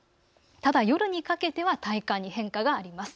ただ夜にかけては体感に変化があります。